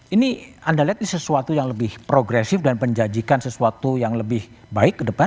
ini anda lihat ini sesuatu yang lebih progresif dan menjanjikan sesuatu yang lebih baik ke depan